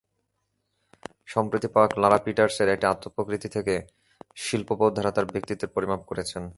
সম্প্রতি পাওয়া ক্লারা পিটার্সের একটি আত্মপ্রতিকৃতি থেকে শিল্পবোদ্ধারা তাঁর ব্যক্তিত্বের পরিমাপ করেছেন।